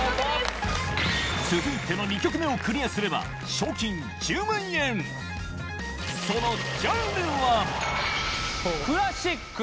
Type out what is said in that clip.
続いての２曲目をクリアすれば賞金１０万円そのジャンルは「クラシック」。